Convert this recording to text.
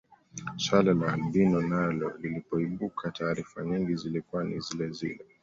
Swala la albino nalo lilipoibuka taarifa nyingi zilikuwa ni zilezile